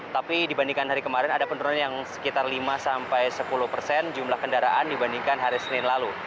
tapi dibandingkan hari kemarin ada penurunan yang sekitar lima sampai sepuluh persen jumlah kendaraan dibandingkan hari senin lalu